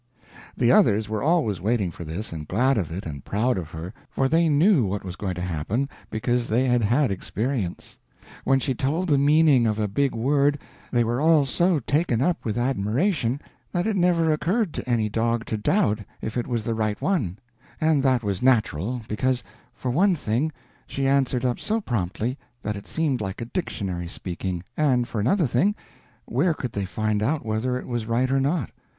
The others were always waiting for this, and glad of it and proud of her, for they knew what was going to happen, because they had had experience. When she told the meaning of a big word they were all so taken up with admiration that it never occurred to any dog to doubt if it was the right one; and that was natural, because, for one thing, she answered up so promptly that it seemed like a dictionary speaking, and for another thing, where could they find out whether it was right or not?